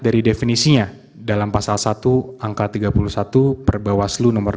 dari definisinya dalam pasal satu angka tiga puluh satu perbawaslu nomor delapan dua ribu dua puluh dua